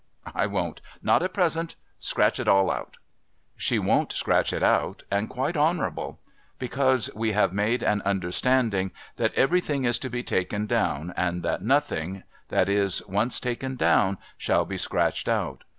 I won't! not at present!— Scratch it out. She won't scratch it out, and quite honourable ; because we have made an understanding that everything is to be taken down, and that nothing that is once taken down shall be scratched out.